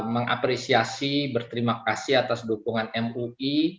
mengapresiasi berterima kasih atas dukungan mui